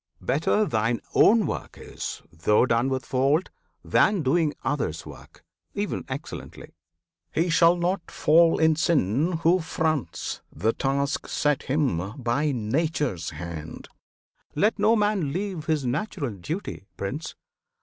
Better thine own work is, though done with fault, Than doing others' work, ev'n excellently. He shall not fall in sin who fronts the task Set him by Nature's hand! Let no man leave His natural duty, Prince!